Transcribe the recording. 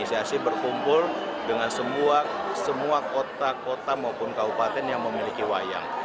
asosiasi berkumpul dengan semua kota kota maupun kabupaten yang memiliki wayang